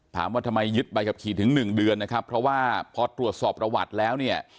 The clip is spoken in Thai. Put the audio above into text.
ถามว่าทำไมยึดใบขับขี่ถึงหนึ่งเดือนนะครับเพราะว่าพอตรวจสอบประวัติแล้วเนี่ย